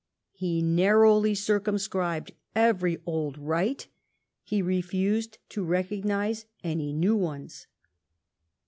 He narrowly circumscribed every old right; he refused to recognise any new ones.